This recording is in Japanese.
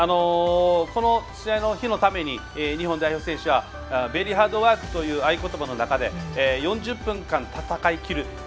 この試合の日のために日本代表選手はベリーハードワークという合言葉の中で４０分間、戦いきる。